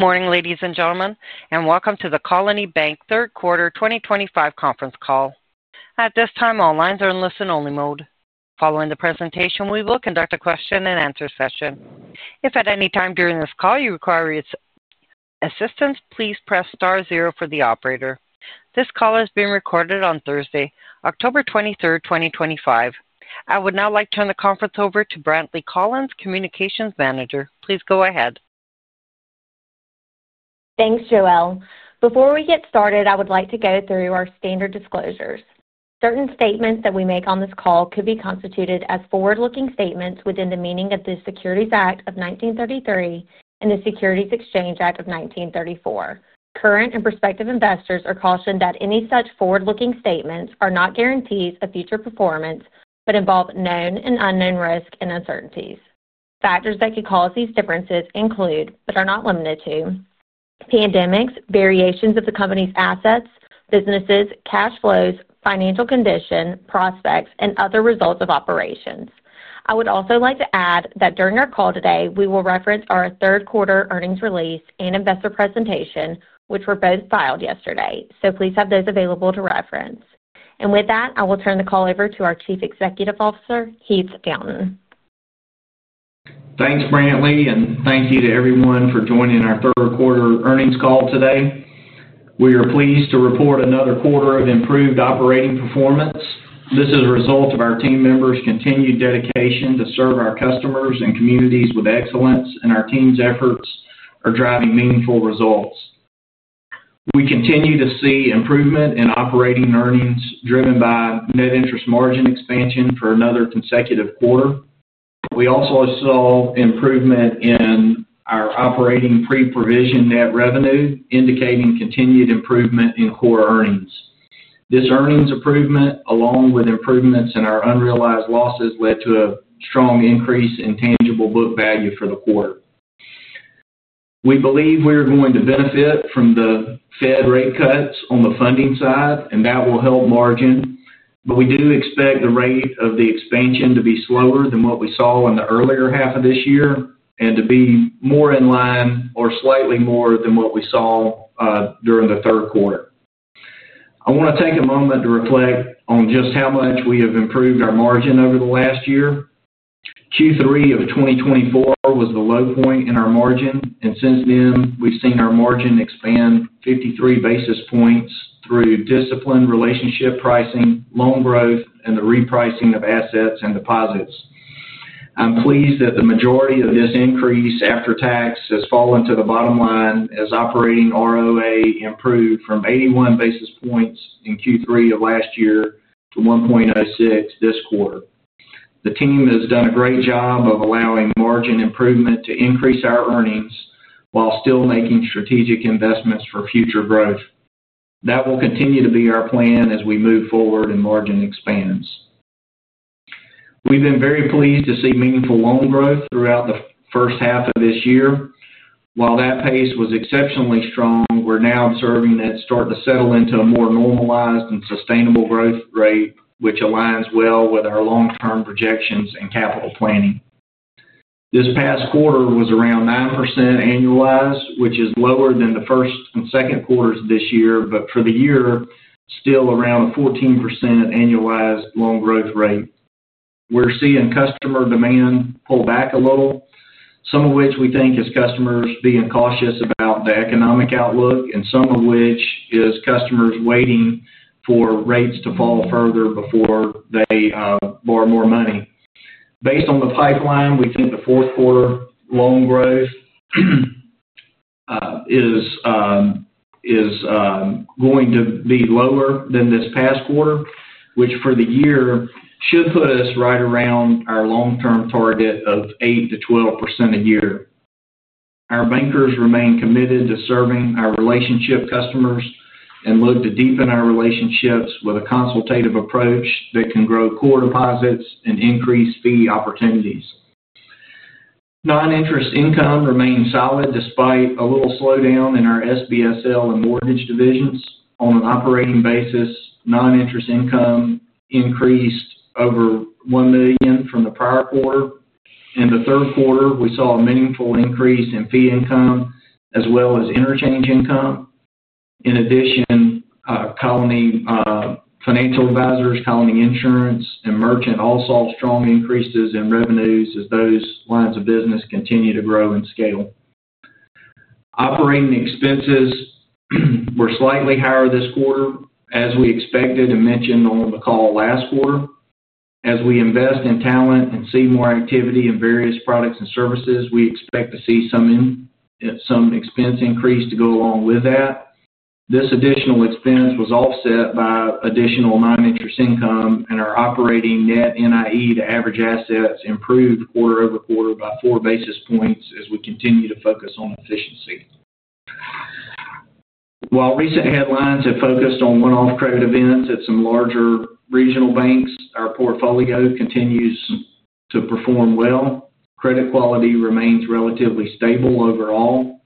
Morning, ladies and gentlemen, and welcome to the Colony Bankcorp third quarter 2025 conference call. At this time, all lines are in listen-only mode. Following the presentation, we will conduct a question-and-answer session. If at any time during this call you require assistance, please press *0 for the operator. This call is being recorded on Thursday, October 23rd, 2025. I would now like to turn the conference over to Brantley Collins, Communications Manager. Please go ahead. Thanks, Joelle. Before we get started, I would like to go through our standard disclosures. Certain statements that we make on this call could be constituted as forward-looking statements within the meaning of the Securities Act of 1933 and the Securities Exchange Act of 1934. Current and prospective investors are cautioned that any such forward-looking statements are not guarantees of future performance but involve known and unknown risks and uncertainties. Factors that could cause these differences include, but are not limited to, pandemics, variations of the company's assets, businesses, cash flows, financial condition, prospects, and other results of operations. I would also like to add that during our call today, we will reference our third quarter earnings release and investor presentation, which were both filed yesterday. Please have those available to reference. With that, I will turn the call over to our Chief Executive Officer, Heath Fountain. Thanks, Brantley, and thank you to everyone for joining our third quarter earnings call today. We are pleased to report another quarter of improved operating performance. This is a result of our team members' continued dedication to serve our customers and communities with excellence, and our team's efforts are driving meaningful results. We continue to see improvement in operating earnings driven by net interest margin expansion for another consecutive quarter. We also saw improvement in our operating pre-provision net revenue, indicating continued improvement in core earnings. This earnings improvement, along with improvements in our unrealized losses, led to a strong increase in tangible book value for the quarter. We believe we are going to benefit from the Fed rate cuts on the funding side, and that will help margin. We do expect the rate of the expansion to be slower than what we saw in the earlier half of this year and to be more in line or slightly more than what we saw during the third quarter. I want to take a moment to reflect on just how much we have improved our margin over the last year. Q3 of 2024 was the low point in our margin, and since then, we've seen our margin expand 53 basis points through discipline, relationship pricing, loan growth, and the repricing of assets and deposits. I'm pleased that the majority of this increase after tax has fallen to the bottom line, as operating ROA improved from 81 basis points in Q3 of last year to 1.06% this quarter. The team has done a great job of allowing margin improvement to increase our earnings while still making strategic investments for future growth. That will continue to be our plan as we move forward and margin expands. We've been very pleased to see meaningful loan growth throughout the first half of this year. While that pace was exceptionally strong, we're now observing that it's starting to settle into a more normalized and sustainable growth rate, which aligns well with our long-term projections and capital planning. This past quarter was around 9% annualized, which is lower than the first and second quarters this year, but for the year, still around a 14% annualized loan growth rate. We're seeing customer demand pull back a little, some of which we think is customers being cautious about the economic outlook, and some of which is customers waiting for rates to fall further before they borrow more money. Based on the pipeline, we think the fourth quarter loan growth is going to be lower than this past quarter, which for the year should put us right around our long-term target of 8%-12% a year. Our bankers remain committed to serving our relationship customers and look to deepen our relationships with a consultative approach that can grow core deposits and increase fee opportunities. Non-interest income remains solid despite a little slowdown in our SBSL and mortgage divisions. On an operating basis, non-interest income increased over $1 million from the prior quarter. In the third quarter, we saw a meaningful increase in fee income as well as interchange income. In addition, Colony Financial Advisors, Colony Insurance, and merchant services all saw strong increases in revenues as those lines of business continue to grow in scale. Operating expenses were slightly higher this quarter, as we expected and mentioned on the call last quarter. As we invest in talent and see more activity in various products and services, we expect to see some expense increase to go along with that. This additional expense was offset by additional non-interest income, and our operating net NIE to average assets improved quarter-over-quarter by four basis points as we continue to focus on efficiency. While recent headlines have focused on one-off credit events at some larger regional banks, our portfolio continues to perform well. Credit quality remains relatively stable overall.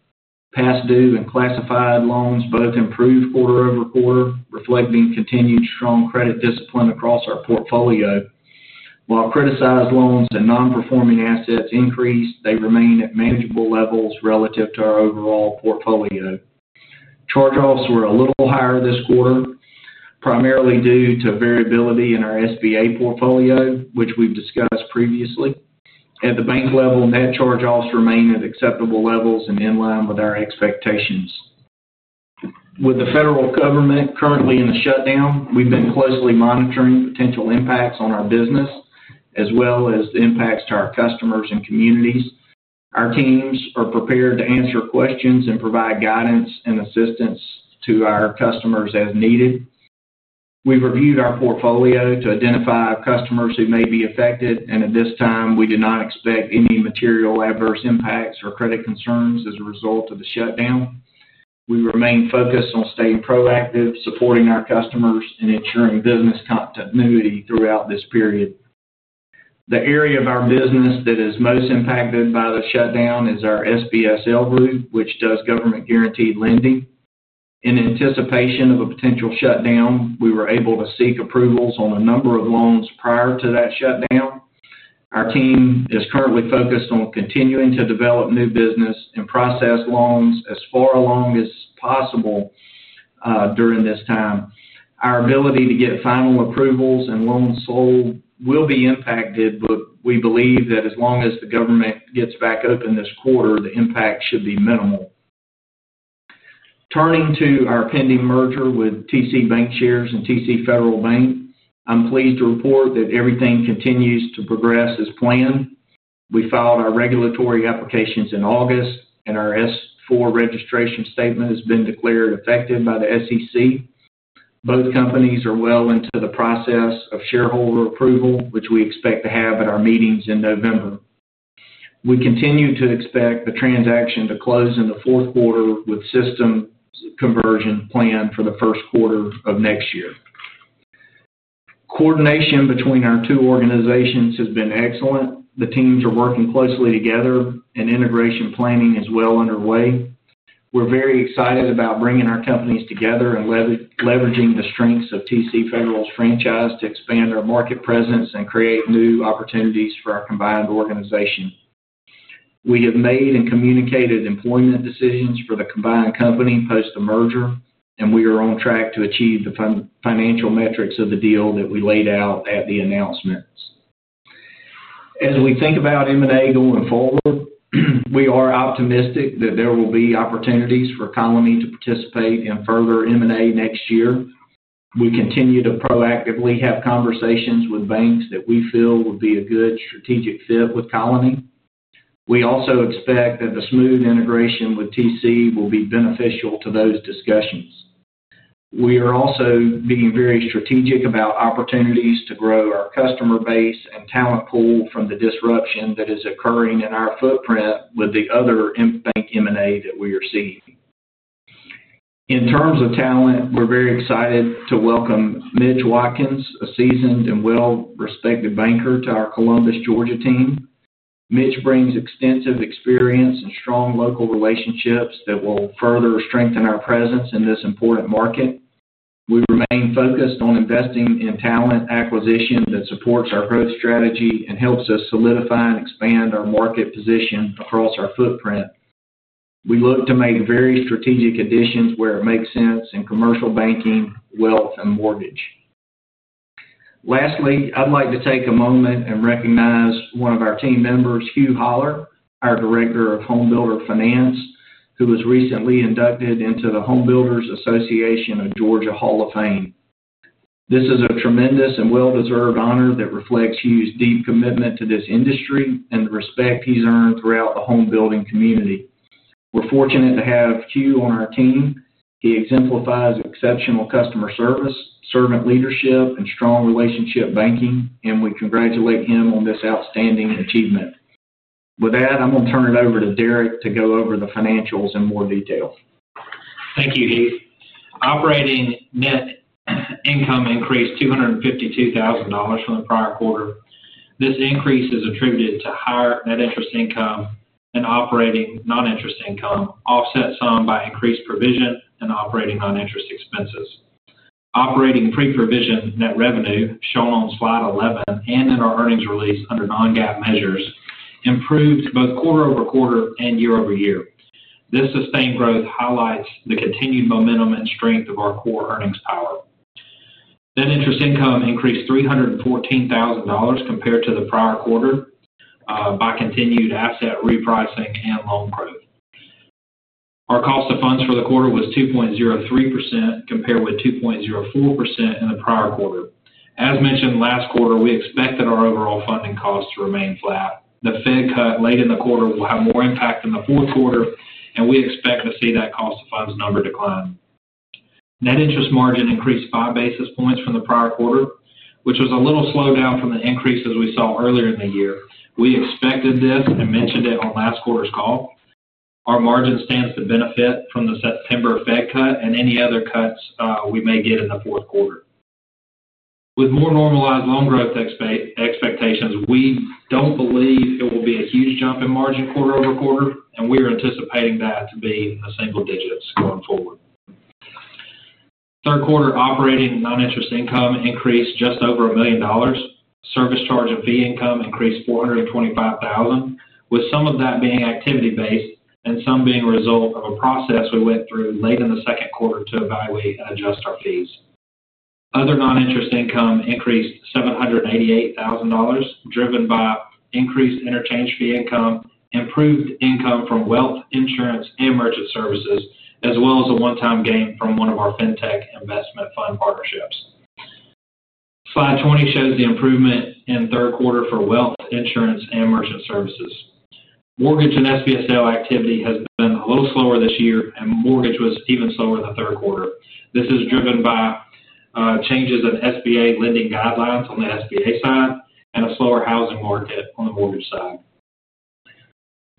Past due and classified loans both improved quarter-over-quarter, reflecting continued strong credit discipline across our portfolio. While criticized loans and non-performing assets increased, they remain at manageable levels relative to our overall portfolio. Charge-offs were a little higher this quarter, primarily due to variability in our SBA portfolio, which we've discussed previously. At the bank level, net charge-offs remain at acceptable levels and in line with our expectations. With the federal government currently in a shutdown, we've been closely monitoring potential impacts on our business as well as the impacts to our customers and communities. Our teams are prepared to answer questions and provide guidance and assistance to our customers as needed. We've reviewed our portfolio to identify customers who may be affected, and at this time, we do not expect any material adverse impacts or credit concerns as a result of the shutdown. We remain focused on staying proactive, supporting our customers, and ensuring business continuity throughout this period. The area of our business that is most impacted by the shutdown is our SBSL group, which does government-guaranteed lending. In anticipation of a potential shutdown, we were able to seek approvals on a number of loans prior to that shutdown. Our team is currently focused on continuing to develop new business and process loans as far along as possible during this time. Our ability to get final approvals and loans sold will be impacted, but we believe that as long as the government gets back open this quarter, the impact should be minimal. Turning to our pending merger with TC Bancshares and TC Federal Bank, I'm pleased to report that everything continues to progress as planned. We filed our regulatory applications in August, and our S-4 registration statement has been declared effective by the SEC. Both companies are well into the process of shareholder approval, which we expect to have at our meetings in November. We continue to expect the transaction to close in the fourth quarter with system conversion planned for the first quarter of next year. Coordination between our two organizations has been excellent. The teams are working closely together, and integration planning is well underway. We're very excited about bringing our companies together and leveraging the strengths of TC Federal's franchise to expand our market presence and create new opportunities for our combined organization. We have made and communicated employment decisions for the combined company post the merger, and we are on track to achieve the financial metrics of the deal that we laid out at the announcements. As we think about M&A going forward, we are optimistic that there will be opportunities for Colony to participate in further M&A next year. We continue to proactively have conversations with banks that we feel would be a good strategic fit with Colony. We also expect that the smooth integration with TC will be beneficial to those discussions. We are also being very strategic about opportunities to grow our customer base and talent pool from the disruption that is occurring in our footprint with the other bank M&A that we are seeing. In terms of talent, we're very excited to welcome Mitch Watkins, a seasoned and well-respected banker, to our Columbus, Georgia team. Mitch brings extensive experience and strong local relationships that will further strengthen our presence in this important market. We remain focused on investing in talent acquisition that supports our growth strategy and helps us solidify and expand our market position across our footprint. We look to make very strategic additions where it makes sense in commercial banking, wealth, and mortgage. Lastly, I'd like to take a moment and recognize one of our team members, Hugh Hollar, our Director of Homebuilder Finance, who was recently inducted into the Homebuilders Association of Georgia Hall of Fame. This is a tremendous and well-deserved honor that reflects Hugh's deep commitment to this industry and the respect he's earned throughout the homebuilding community. We're fortunate to have Hugh on our team. He exemplifies exceptional customer service, servant leadership, and strong relationship banking, and we congratulate him on this outstanding achievement. With that, I'm going to turn it over to Derek to go over the financials in more detail. Thank you, Heath. Operating net income increased $252,000 from the prior quarter. This increase is attributed to higher net interest income and operating non-interest income, offset some by increased provision and operating non-interest expenses. Operating pre-provision net revenue shown on slide 11 and in our earnings release under non-GAAP measures improved both quarter-over-quarter and year-over-year. This sustained growth highlights the continued momentum and strength of our core earnings power. Net interest income increased $314,000 compared to the prior quarter, by continued asset repricing and loan growth. Our cost of funds for the quarter was 2.03% compared with 2.04% in the prior quarter. As mentioned last quarter, we expected our overall funding costs to remain flat. The Fed cut late in the quarter will have more impact in the fourth quarter, and we expect to see that cost of funds number decline. Net interest margin increased five basis points from the prior quarter, which was a little slowdown from the increases we saw earlier in the year. We expected this and mentioned it on last quarter's call. Our margin stands to benefit from the September Fed cut and any other cuts we may get in the fourth quarter. With more normalized loan growth expectations, we don't believe it will be a huge jump in margin quarter-over-quarter, and we are anticipating that to be in the single digits going forward. Third quarter operating non-interest income increased just over $1 million. Service charge and fee income increased $425,000, with some of that being activity-based and some being a result of a process we went through late in the second quarter to evaluate and adjust our fees. Other non-interest income increased $788,000, driven by increased interchange fee income, improved income from wealth, insurance, and merchant services, as well as a one-time gain from one of our fintech investment fund partnerships. Slide 20 shows the improvement in third quarter for wealth, insurance, and merchant services. Mortgage and SBSL activity has been a little slower this year, and mortgage was even slower in the third quarter. This is driven by changes in SBA lending guidelines on the SBA side and a slower housing market on the mortgage side.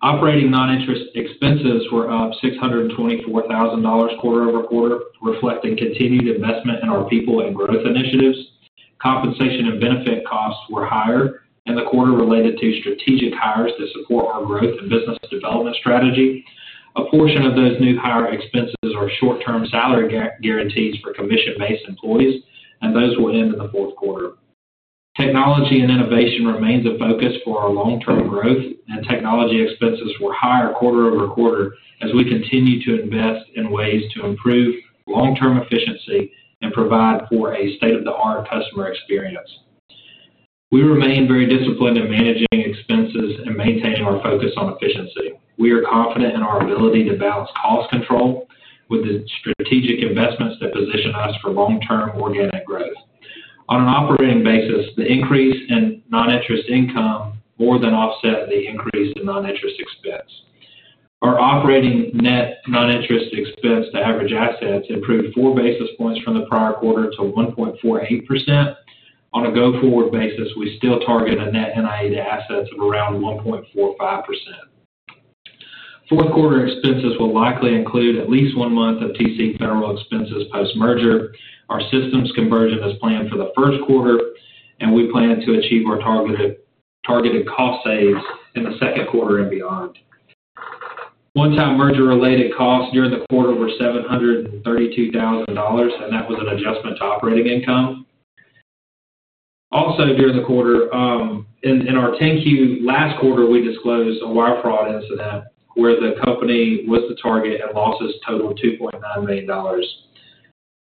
Operating non-interest expenses were up $624,000 quarter-over-quarter, reflecting continued investment in our people and growth initiatives. Compensation and benefit costs were higher in the quarter related to strategic hires to support our growth and business development strategy. A portion of those new hire expenses are short-term salary guarantees for commission-based employees, and those will end in the fourth quarter. Technology and innovation remains a focus for our long-term growth, and technology expenses were higher quarter-over-quarter as we continue to invest in ways to improve long-term efficiency and provide for a state-of-the-art customer experience. We remain very disciplined in managing expenses and maintaining our focus on efficiency. We are confident in our ability to balance cost control with the strategic investments that position us for long-term organic growth. On an operating basis, the increase in non-interest income more than offset the increase in non-interest expense. Our operating net non-interest expense to average assets improved four basis points from the prior quarter to 1.48%. On a go-forward basis, we still target a net NIE to assets of around 1.45%. Fourth quarter expenses will likely include at least one month of TC Federal expenses post-merger. Our systems conversion is planned for the first quarter, and we plan to achieve our targeted cost saves in the second quarter and beyond. One-time merger-related costs during the quarter were $732,000, and that was an adjustment to operating income. Also, during the quarter, in our 10-Q last quarter, we disclosed a wire fraud incident where the company was the target and losses totaled $2.9 million.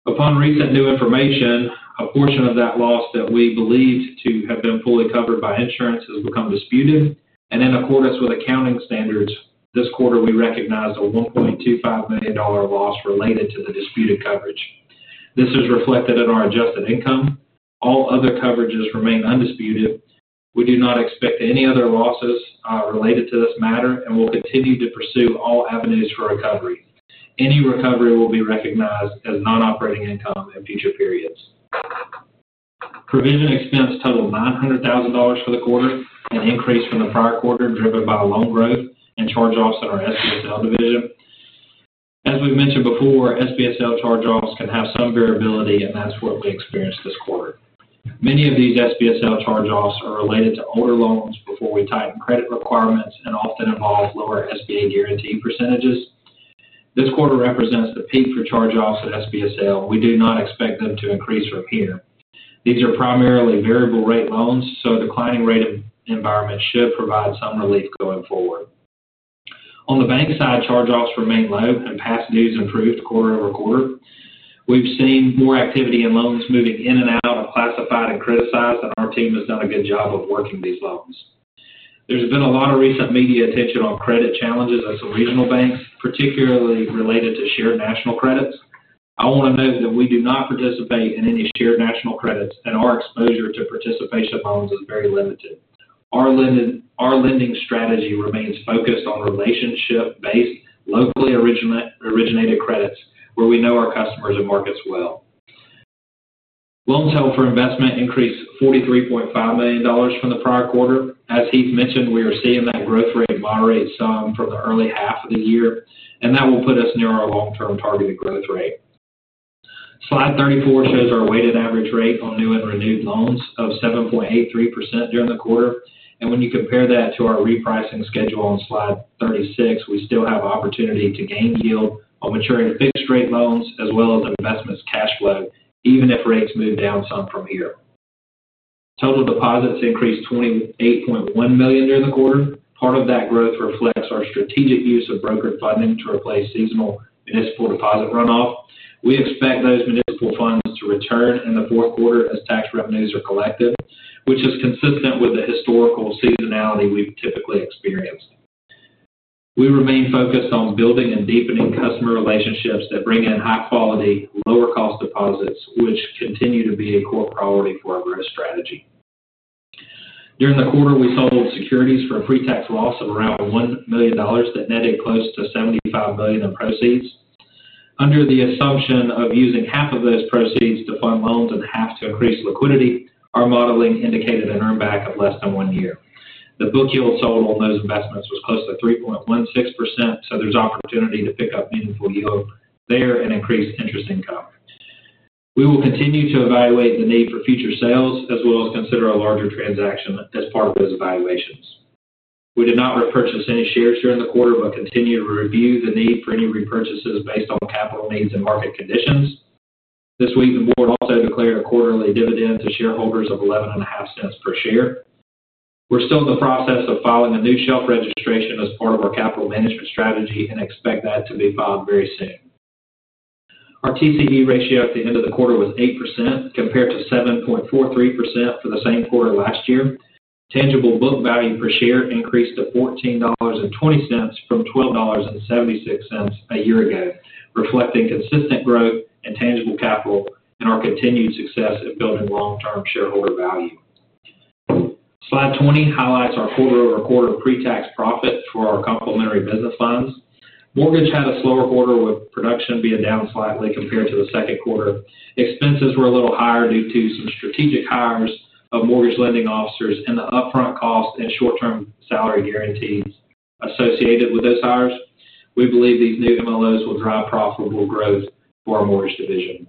Upon recent new information, a portion of that loss that we believed to have been fully covered by insurance has become disputed. In accordance with accounting standards, this quarter we recognized a $1.25 million loss related to the disputed coverage. This is reflected in our adjusted income. All other coverages remain undisputed. We do not expect any other losses related to this matter and will continue to pursue all avenues for recovery. Any recovery will be recognized as non-operating income in future periods. Provision expense totaled $900,000 for the quarter, an increase from the prior quarter driven by loan growth and charge-offs in our SBSL division. As we've mentioned before, SBSL charge-offs can have some variability, and that's what we experienced this quarter. Many of these SBSL charge-offs are related to older loans before we tightened credit requirements and often involve lower SBA guarantee percentages. This quarter represents the peak for charge-offs SBSL. We do not expect them to increase from here. These are primarily variable-rate loans, so a declining rate environment should provide some relief going forward. On the bank side, charge-offs remain low and past dues improved quarter-over-quarter. We've seen more activity in loans moving in and out of classified and criticized, and our team has done a good job of working these loans. There has been a lot of recent media attention on credit challenges at some regional banks, particularly related to shared national credits. I want to note that we do not participate in any shared national credits, and our exposure to participation loans is very limited. Our lending strategy remains focused on relationship-based, locally originated credits where we know our customers and markets well. Loans held for investment increased $43.5 million from the prior quarter. As Heath mentioned, we are seeing that growth rate moderate some from the early half of the year, and that will put us near our long-term targeted growth rate. Slide 34 shows our weighted average rate on new and renewed loans of 7.83% during the quarter. When you compare that to our repricing schedule on slide 36, we still have opportunity to gain yield on maturing fixed-rate loans as well as investments cash flow, even if rates move down some from here. Total deposits increased $28.1 million during the quarter. Part of that growth reflects our strategic use of brokered funding to replace seasonal municipal deposit runoff. We expect those municipal funds to return in the fourth quarter as tax revenues are collected, which is consistent with the historical seasonality we've typically experienced. We remain focused on building and deepening customer relationships that bring in high-quality, lower-cost deposits, which continue to be a core priority for our growth strategy. During the quarter, we sold securities for a pre-tax loss of around $1 million that netted close to $75 million in proceeds. Under the assumption of using half of those proceeds to fund loans and half to increase liquidity, our modeling indicated an earned back of less than one year. The book yield sold on those investments was close to 3.16%, so there is opportunity to pick up meaningful yield there and increase interest income. We will continue to evaluate the need for future sales as well as consider a larger transaction as part of those evaluations. We did not repurchase any shares during the quarter, but continue to review the need for any repurchases based on capital needs and market conditions. This week, the board also declared a quarterly dividend to shareholders of $0.115 per share. We're still in the process of filing a new shelf registration as part of our capital management strategy and expect that to be filed very soon. Our TCE ratio at the end of the quarter was 8% compared to 7.43% for the same quarter last year. Tangible book value per share increased to $14.20 from $12.76 a year ago, reflecting consistent growth in tangible capital and our continued success in building long-term shareholder value. Slide 20 highlights our quarter-over-quarter pre-tax profit for our complementary business lines. Mortgage had a slower quarter with production being down slightly compared to the second quarter. Expenses were a little higher due to some strategic hires of mortgage lending officers and the upfront cost and short-term salary guarantees associated with those hires. We believe these new MLOs will drive profitable growth for our mortgage division.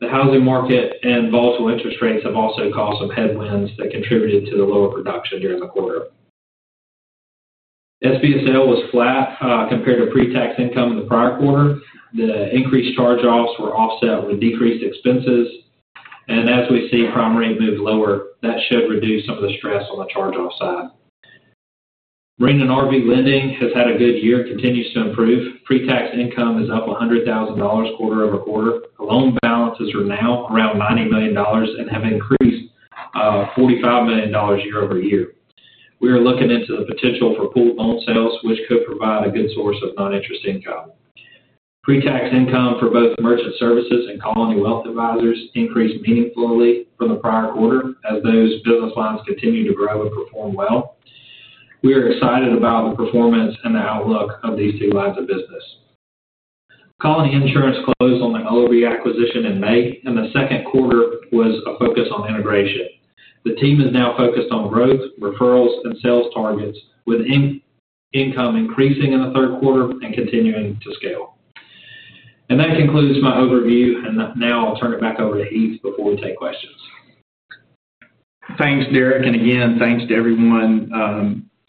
The housing market and volatile interest rates have also caused some headwinds that contributed to the lower production during the quarter. SBSL was flat compared to pre-tax income in the prior quarter. The increased charge-offs were offset with decreased expenses. As we see prime rate move lower, that should reduce some of the stress on the charge-off side. Rent and RV lending has had a good year and continues to improve. Pre-tax income is up $100,000 quarter-over-quarter. Loan balances are now around $90 million and have increased $45 million year-over-year. We are looking into the potential for pooled loan sales, which could provide a good source of non-interest income. Pre-tax income for both merchant services and Colony Wealth Advisors increased meaningfully from the prior quarter as those business lines continue to grow and perform well. We are excited about the performance and the outlook of these two lines of business. Colony Insurance closed on the LOB acquisition in May, and the second quarter was a focus on integration. The team is now focused on growth, referrals, and sales targets, with income increasing in the third quarter and continuing to scale. That concludes my overview, and now I'll turn it back over to Heath before we take questions. Thanks, Derek, and again, thanks to everyone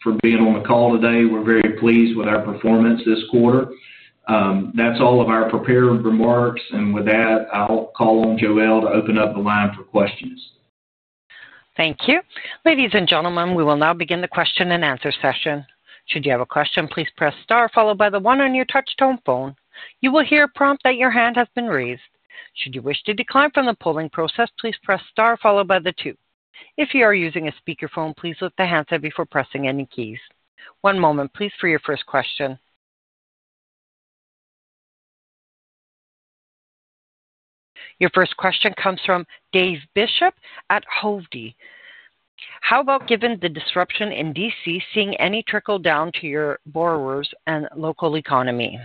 for being on the call today. We're very pleased with our performance this quarter. That's all of our prepared remarks, and with that, I'll call on Joelle to open up the line for questions. Thank you. Ladies and gentlemen, we will now begin the question-and-answer session. Should you have a question, please press star followed by the one on your touch-tone phone. You will hear a prompt that your hand has been raised. Should you wish to decline from the polling process, please press star followed by the two. If you are using a speakerphone, please lift the handset before pressing any keys. One moment, please, for your first question. Your first question comes from Dave Bishop at Hovde. How about given the disruption in D.C., seeing any trickle down to your borrowers and local economy?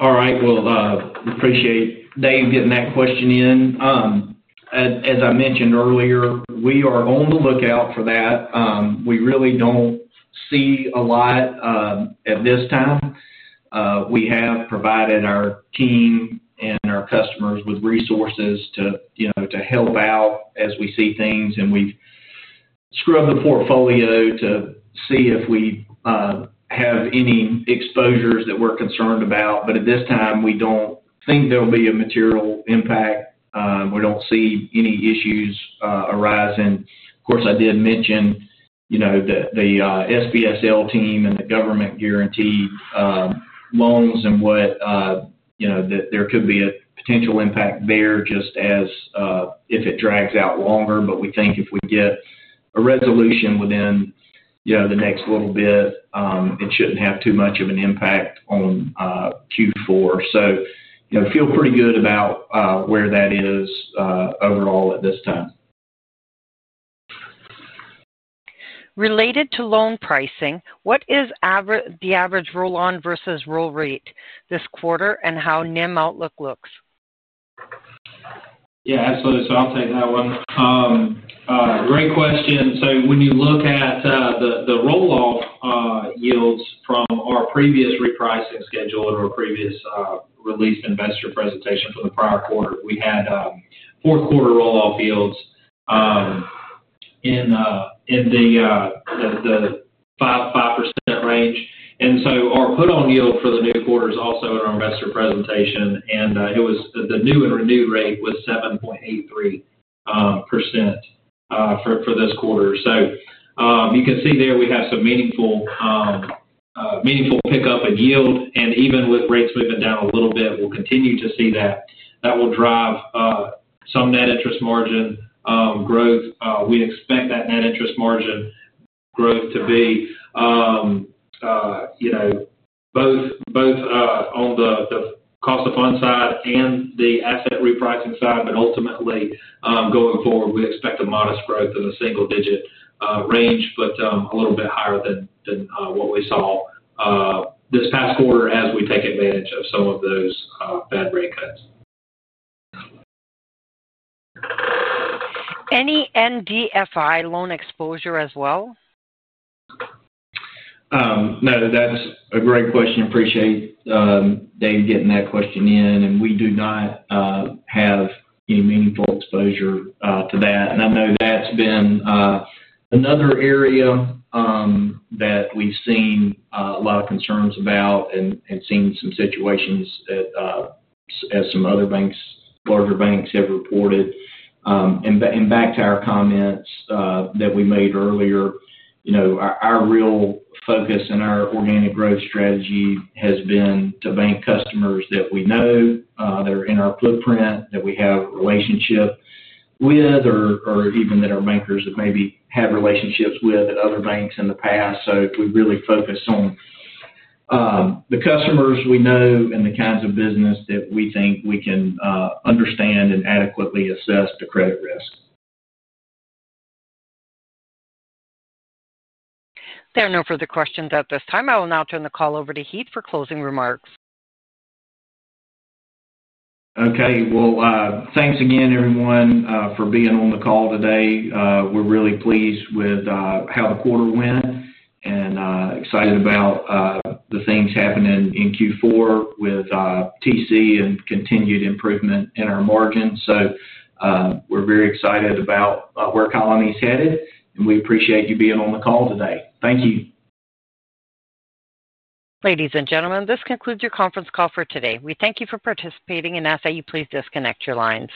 All right. I appreciate Dave getting that question in. As I mentioned earlier, we are on the lookout for that. We really don't see a lot at this time. We have provided our team and our customers with resources to help out as we see things, and we've scrubbed the portfolio to see if we have any exposures that we're concerned about. At this time, we don't think there'll be a material impact. We don't see any issues arising. Of course, I did mention the SBSL team and the government-guaranteed loans and that there could be a potential impact there if it drags out longer. We think if we get a resolution within the next little bit, it shouldn't have too much of an impact on Q4. I feel pretty good about where that is overall at this time. Related to loan pricing, what is the average roll-on versus roll-rate this quarter, and how does the NIM outlook look? Yeah, absolutely. I'll take that one. Great question. When you look at the rolloff yields from our previous repricing schedule and our previous release investor presentation from the prior quarter, we had fourth quarter rolloff yields in the 5% range. Our put-on yield for the new quarter is also in our investor presentation, and it was the new and renewed rate was 7.83% for this quarter. You can see there we have some meaningful pickup in yield, and even with rates moving down a little bit, we'll continue to see that. That will drive some net interest margin growth. We expect that net interest margin growth to be, you know, both on the cost of funds side and the asset repricing side. Ultimately, going forward, we expect a modest growth in the single-digit range, but a little bit higher than what we saw this past quarter as we take advantage of some of those bad rate cuts. Any NDFI loan exposure as well? No, that's a great question. I appreciate Dave getting that question in, and we do not have any meaningful exposure to that. I know that's been another area that we've seen a lot of concerns about and seen some situations that, as some other banks, larger banks have reported. Back to our comments that we made earlier, our real focus in our organic growth strategy has been to bank customers that we know, that are in our footprint, that we have relationships with, or even that our bankers maybe have relationships with at other banks in the past. We really focus on the customers we know and the kinds of business that we think we can understand and adequately assess the credit risk. There are no further questions at this time. I will now turn the call over to Heath for closing remarks. Thank you again, everyone, for being on the call today. We're really pleased with how the quarter went and excited about the things happening in Q4 with TC and continued improvement in our margins. We're very excited about where Colony's headed, and we appreciate you being on the call today. Thank you. Ladies and gentlemen, this concludes your conference call for today. We thank you for participating and ask that you please disconnect your lines.